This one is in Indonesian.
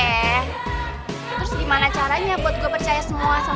terus gimana caranya buat gue percaya semua sama omongan lo